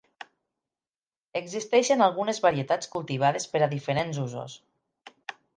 Existeixen algunes varietats cultivades per a diferents usos.